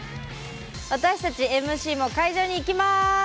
私たちＭＣも会場に行きます！